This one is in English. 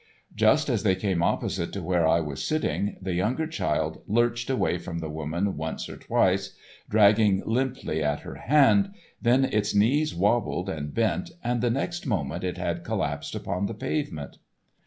Just as they came opposite to where I was sitting the younger child lurched away from the woman once or twice, dragging limply at her hand, then its knees wobbled and bent and the next moment it had collapsed upon the pavement.